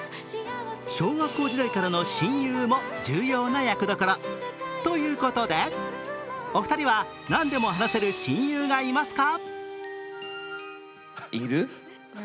小学校時代からの親友も重要な役どころ。ということでお二人は何でも話せる親友がいますか？